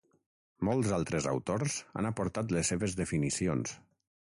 Molts altres autors han aportat les seves definicions.